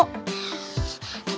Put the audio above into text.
tapi aku diterima